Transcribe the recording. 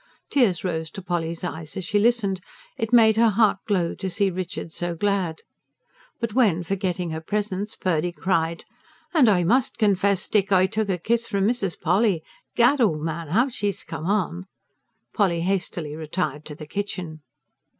Tears rose to Polly's eyes as she listened; it made her heart glow to see Richard so glad. But when, forgetting her presence, Purdy cried: "And I must confess, Dick.... I took a kiss from Mrs. Polly. Gad, old man, how she's come on!" Polly hastily retired to the kitchen.